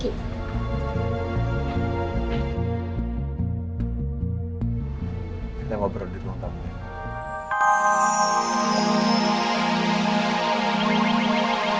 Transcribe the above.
kita mau berada di rumah kamu